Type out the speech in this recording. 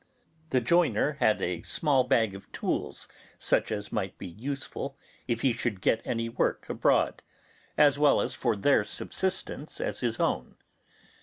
The joiner had a small bag of tools such as might be useful if he should get any work abroad, as well for their subsistence as his own.